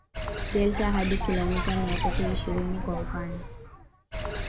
delta hadi kilomita miatatu ishirini kwa upana